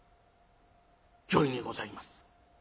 「御意にございます」。